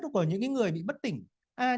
của những người bị bất tỉnh